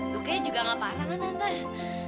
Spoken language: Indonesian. bukannya juga gak parah kan tante